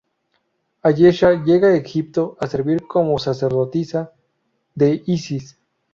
Ayesha llega a Egipto a servir como sacerdotisa de Isis.